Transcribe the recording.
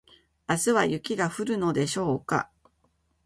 明日は雪が降るのでしょうか